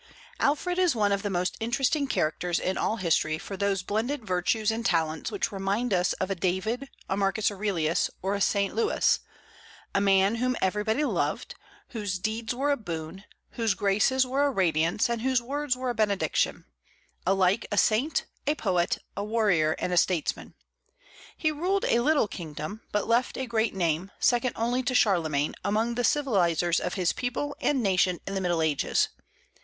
Alfred is one of the most interesting characters in all history for those blended virtues and talents which remind us of a David, a Marcus Aurelius, or a Saint Louis, a man whom everybody loved, whose deeds were a boon, whose graces were a radiance, and whose words were a benediction; alike a saint, a poet, a warrior, and a statesman. He ruled a little kingdom, but left a great name, second only to Charlemagne, among the civilizers of his people and nation in the Middle Ages.